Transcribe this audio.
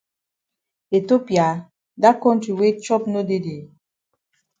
Ethiopia! Dat kontri wey chop no dey dey?